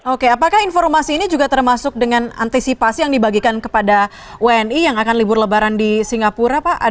oke apakah informasi ini juga termasuk dengan antisipasi yang dibagikan kepada wni yang akan libur lebaran di singapura pak